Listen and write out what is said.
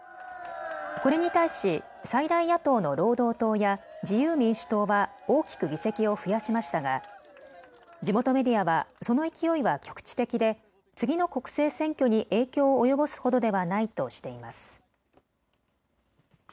これに対し最大野党の労働党や自由民主党は大きく議席を増やしましたが地元メディアはその勢いは局地的で次の国政選挙に影響を及ぼすほどではないとしています。